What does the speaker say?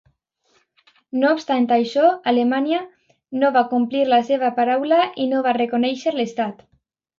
No obstant això, Alemanya no va complir la seva paraula i no va reconèixer l'estat.